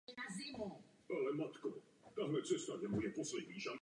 Podle mnoha odborníků na poslední chvíli.